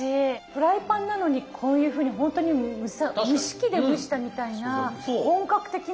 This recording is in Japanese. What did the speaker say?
フライパンなのにこういうふうにほんとに蒸し器で蒸したみたいな本格的な。